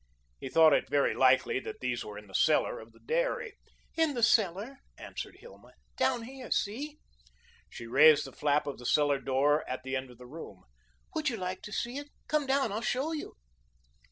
He thought it very likely that these were in the cellar of the dairy. "In the cellar," answered Hilma. "Down here, see?" She raised the flap of the cellar door at the end of the room. "Would you like to see? Come down; I'll show you."